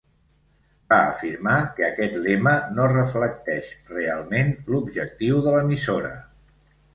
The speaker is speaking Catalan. Va afirmar que aquest lema no reflecteix realment l'objectiu de l'emissora.